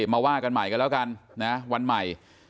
มาว่ากันใหม่กันแล้วกันนะวันใหม่